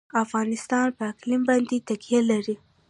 افغانستان په اقلیم باندې تکیه لري.